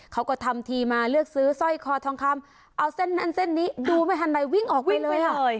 เขาก็ทำทีมาเลือกซื้อสร้อยคอทองคำเอาเส้นนั้นเส้นนี้ดูไม่ทันไรวิ่งออกไปเลยค่ะ